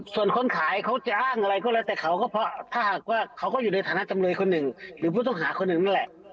ส่วนคนขายเขาจะอ้างอะไรก็แล้วแต่เขาก็อยู่ในฐานะจำนวยคนหนึ่งหรือผู้ต้องหาคนหนึ่งนั่นแหละ